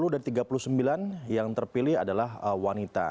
sepuluh dari tiga puluh sembilan yang terpilih adalah wanita